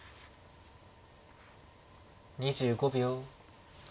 ２５秒。